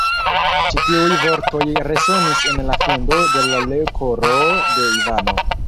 Ĉi tiuj vortoj resonis en la fundo de l' koro de Ivano.